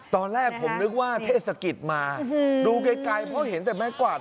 ตอนแรกผมนึกว่าเทศกิจมาดูไกลเพราะเห็นแต่ไม้กวาด